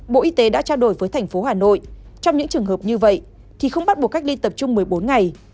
bộ y tế đã trao đổi với thành phố hà nội trong những trường hợp như vậy thì không bắt buộc cách ly tập trung một mươi bốn ngày